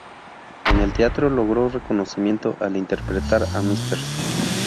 En el teatro logró reconocimiento al interpretar a Mrs.